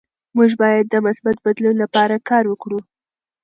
موږ باید د مثبت بدلون لپاره کار وکړو.